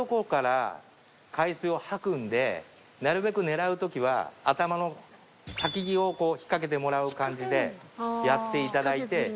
なるべく狙う時は頭の先をこう引っ掛けてもらう感じでやっていただいて。